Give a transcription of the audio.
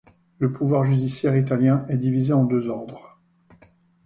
Le pouvoir judiciaire italien est divisé en deux ordres.